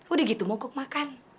udah gitu mongkok makan